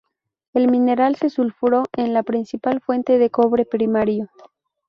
El mineral de sulfuro es la principal fuente de cobre primario.